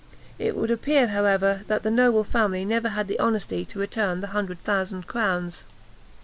It would appear, however, that the noble family never had the honesty to return the hundred thousand crowns.